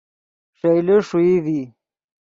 ݰئیلے ݰوئی ڤی